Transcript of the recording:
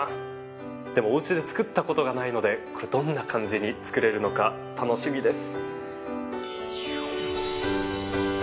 でもおうちで作ったことがないのでどんな感じに作れるのか楽しみです。